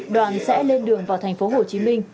đoàn sẽ lên đường vào thành phố hồ chí minh